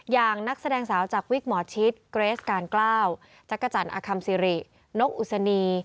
นักแสดงสาวจากวิกหมอชิดเกรสการเกล้าจักรจันทร์อคัมซิรินกอุศนี